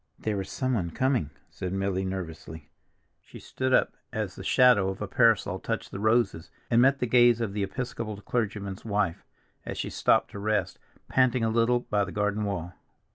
"There is someone coming," said Milly nervously. She stood up as the shadow of a parasol touched the roses, and met the gaze of the Episcopal clergyman's wife, as she stopped to rest, panting a little, by the garden wall.